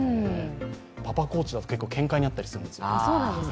パパコーチだと結構けんかになったりするんです。